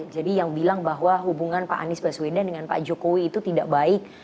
jadi yang bilang bahwa hubungan pak anies baswedan dengan pak jokowi itu tidak baik